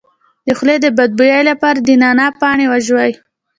د خولې د بد بوی لپاره د نعناع پاڼې وژويئ